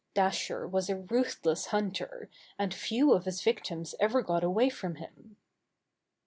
Dasher was a ruthless hunter, and few of his victims ever got away from him.